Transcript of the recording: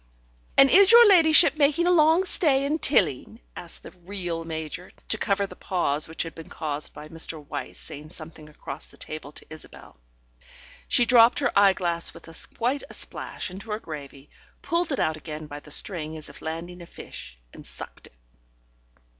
"And is your ladyship making a long stay in Tilling?" asked the (real) Major, to cover the pause which had been caused by Mr. Wyse saying something across the table to Isabel. She dropped her eyeglass with quite a splash into her gravy, pulled it out again by the string as if landing a fish, and sucked it.